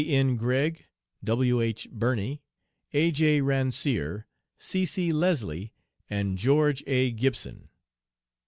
N. Gregg, W. H. Birny, A. J. Ransier, C. C. Leslie, and George A. Gibson.